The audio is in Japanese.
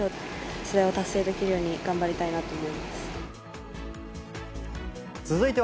それを達成できるように頑張りたいと思います。